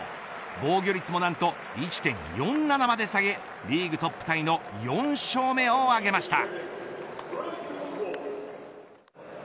防御率も何と１．４７まで下げリーグトップタイの４勝目を挙げました。